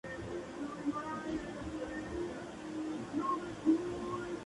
Está nombrado en honor de Jenny Adolﬁne Kessler, esposa de un amigo del descubridor.